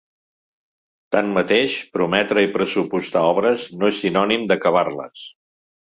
Tanmateix, prometre i pressupostar obres no és sinònim d’acabar-les.